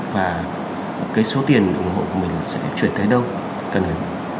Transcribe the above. và số tiền ủng hộ của mình sẽ chuyển tới đâu